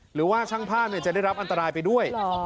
หรือว่าช่างภาพจะได้รับอันตรายไปด้วย